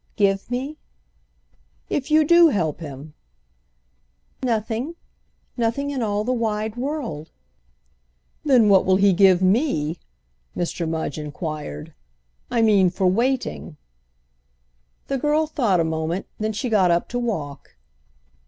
"Give me?" "If you do help him." "Nothing. Nothing in all the wide world." "Then what will he give me?" Mr. Mudge enquired. "I mean for waiting." The girl thought a moment; then she got up to walk.